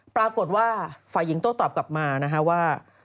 ปรากฏว่าฝ่ายหญิงโต้ตอบกลับมานะฮะว่า